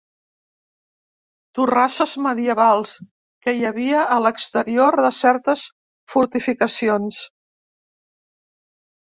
Torrasses medievals que hi havia a l'exterior de certes fortificacions.